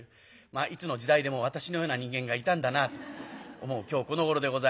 いつの時代でも私のような人間がいたんだなと思う今日このごろでございますが。